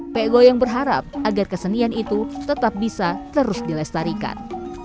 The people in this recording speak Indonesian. pek goyang berharap agar kesenian itu tetap bisa terus dilestarikan